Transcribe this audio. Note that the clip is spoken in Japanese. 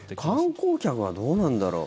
観光客はどうなんだろう。